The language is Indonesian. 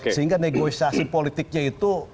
sehingga negosiasi politiknya itu